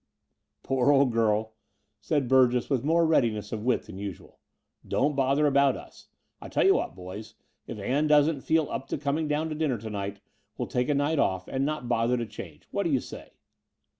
"Poor old girl," said Burgess with more readi ness of wit than usual, "don't bother about us. I tell you what, boys, if Ann doesn't feel up to com ing down to dinner to night, we'll take a night oflF and not bother to change. What do you say